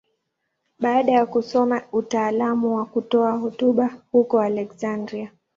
Baada ya kusoma utaalamu wa kutoa hotuba huko Aleksandria.